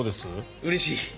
うれしい。